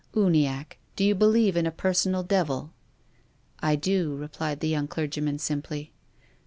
Uniacke, do you believe in a personal devil?" " I do," replied the young clergyman, simply.